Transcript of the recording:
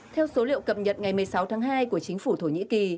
theo số liệu cập nhật ngày một mươi sáu tháng hai của chính phủ thổ nhĩ kỳ